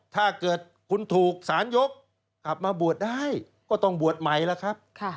ถ้าเกิดคุณถูกสารยกกลับมาบวชได้ก็ต้องบวชใหม่แล้วครับ